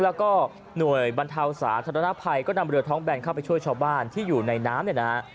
แล้วก็หน่วยบรรเทาสาธารณภัยก็นำเรือท้องแบนเข้าไปช่วยชาวบ้านที่อยู่ในน้ำเนี่ยนะฮะ